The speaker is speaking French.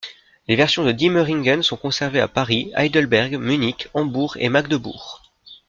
Les versions de Diemeringen sont conservées à Paris, Heidelberg, Munich, Hambourg et Magdebourg.